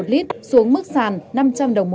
một lít xuống mức sàn năm trăm linh đồng